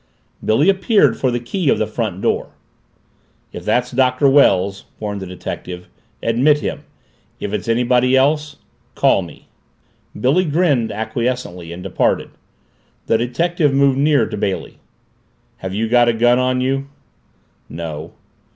Billy appeared for the key of the front door. "If that's Doctor Wells," warned the detective, "admit him. If it's anybody else, call me." Billy grinned acquiescently and departed. The detective moved nearer to Bailey. "Have you got a gun on you?" "No."